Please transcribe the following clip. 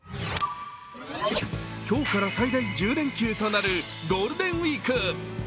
今日から最大１０連休となるゴールデンウイーク。